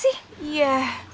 bandung bondowo ya